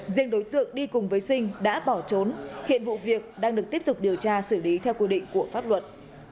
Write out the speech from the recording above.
riêng đối tượng đi cùng với sinh đã bỏ trốn hiện vụ việc đang được tiếp tục điều tra xử lý theo quy định của pháp luật